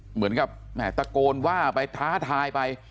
เหมือนกับแหม่ตะโกนว่าไปท้าทายไป